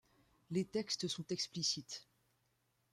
Les textes sont explicites.